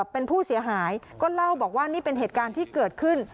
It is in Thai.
เป็นผู้เสียหายก็เล่าบอกว่านี่เป็นเหตุการณ์ที่เกิดขึ้น